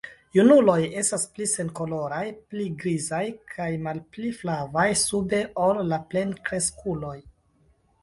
Junuloj estas pli senkoloraj, pli grizaj kaj malpli flavaj sube ol la plenkreskuloj.